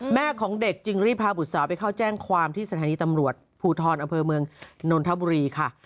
แม่ของเด็กจึงรีบพาบุตรสาวไปเข้าแจ้งความที่สถานีตำรวจภูทรอำเภอเมืองนนทบุรีค่ะ